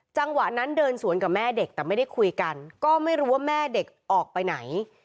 จังหวะนั้นเดินสวนกับแม่เด็กแต่ไม่ได้คุยกันก็ไม่รู้ว่าแม่เด็กออกไปไหน